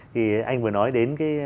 thì anh vừa nói đến cái